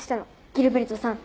ギルベルトさん